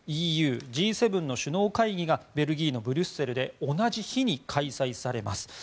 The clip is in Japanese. ＮＡＴＯ、ＥＵ、Ｇ７の首脳会議がベルギーのブリュッセルで同じ日に開催されます。